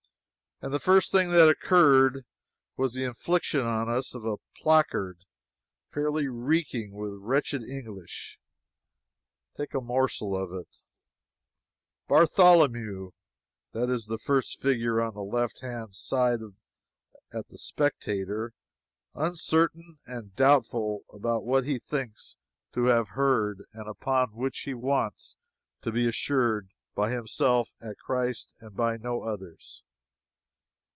And the first thing that occurred was the infliction on us of a placard fairly reeking with wretched English. Take a morsel of it: "Bartholomew (that is the first figure on the left hand side at the spectator,) uncertain and doubtful about what he thinks to have heard, and upon which he wants to be assured by himself at Christ and by no others."